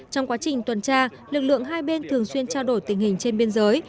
trong quá trình tuần tra lực lượng hai bên thường xuyên trao đổi tình hình trên biên giới